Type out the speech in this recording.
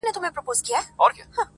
رنګین ګلونه پر ګرېوانه سول -